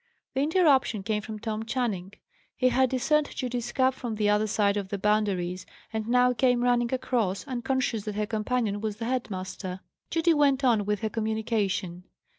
The interruption came from Tom Channing. He had discerned Judy's cap from the other side of the Boundaries, and now came running across, unconscious that her companion was the head master. Judy went on with her communication.